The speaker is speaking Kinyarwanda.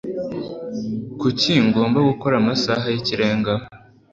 Kuki ngomba gukora amasaha y'ikirenga?